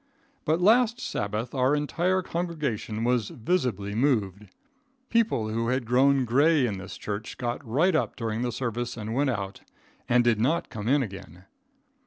But last Sabbath our entire congregation was visibly moved. People who had grown gray in this church got right up during the service and went out, and did not come in again.